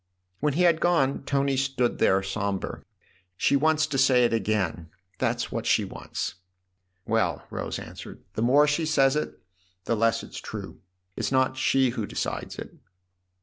When he had gone Tony stood there sombre. " She wants to say it again that's what she wants." " Well," Rose answered, " the more she says it the less it's true. It's not she who decides it."